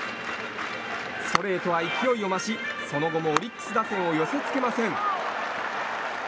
ストレートは勢いを増しその後もオリックス打線を寄せ付けません。